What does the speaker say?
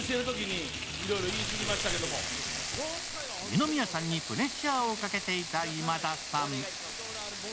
二宮さんにプレッシャーをかけていた今田さん。